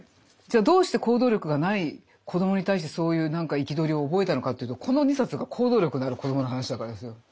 どうして行動力がない子どもに対してそういう憤りを覚えたのかというとこの２冊が行動力のある子どもの話だからですよ。